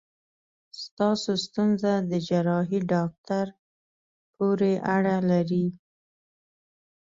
ستاسو ستونزه د جراحي داکټر پورې اړه لري.